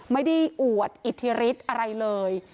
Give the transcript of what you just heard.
ไม่ได้อวดอิทธิฤทธิ์อะไรเลย